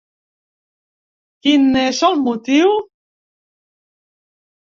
Quin n’és el motiu?